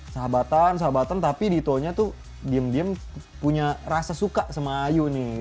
sahabatan sahabatan tapi ditonya tuh diem diem punya rasa suka sama ayu nih